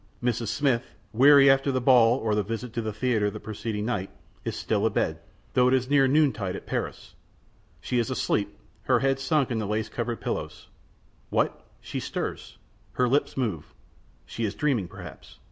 Mrs. Smith, weary after the ball or the visit to the theater the preceding night, is still abed, though it is near noontide at Paris. She is asleep, her head sunk in the lace covered pillows. What? She stirs? Her lips move. She is dreaming perhaps?